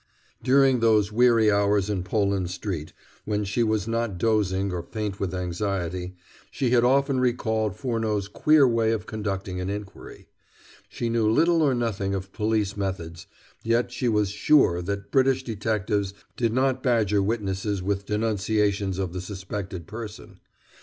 During those weary hours in Poland Street, when she was not dozing or faint with anxiety, she had often recalled Furneaux's queer way of conducting an inquiry. She knew little or nothing of police methods, yet she was sure that British detectives did not badger witnesses with denunciations of the suspected person.